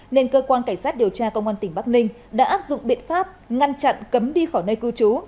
nên cơ quan cảnh sát điều tra công an tỉnh bắc ninh đã áp dụng biện pháp ngăn chặn cấm đi khỏi nơi cư trú